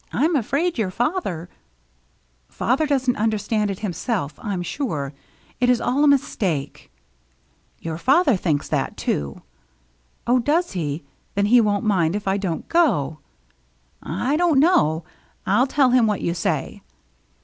Tm afraid your father —" "Father doesn't understand it himself, I'm sure. It is all a mistake —"" Your father thinks that, too." " Oh, does he ? Then he won't mind if I don't go !"" I don't know. I'll tell him what you say."